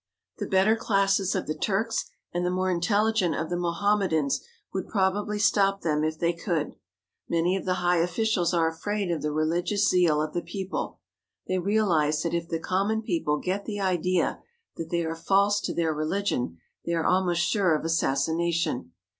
The better classes of the Turks and the more intelligent of the Mohammedans would probably stop them if they could. Many of the high officials are afraid of the reli gious zeal of the people. They realize that if the common people get the idea that they are false to their religion, they are almost sure of assassination.